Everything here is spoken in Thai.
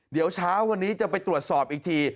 เดี๋ยวเช้าวันนี้จะไปตรวจสอบอีกที